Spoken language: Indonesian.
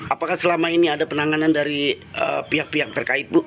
apakah selama ini ada penanganan dari pihak pihak terkait bu